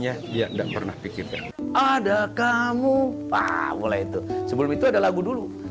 ada kamu wah mulai itu sebelum itu ada lagu dulu